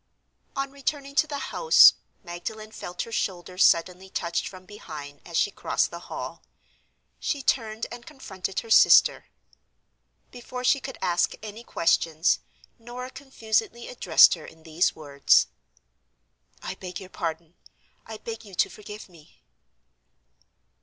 On returning to the house, Magdalen felt her shoulder suddenly touched from behind as she crossed the hall. She turned and confronted her sister. Before she could ask any questions, Norah confusedly addressed her, in these words: "I beg your pardon; I beg you to forgive me."